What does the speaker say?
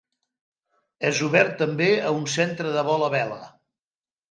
És obert també a un centre de vol a vela.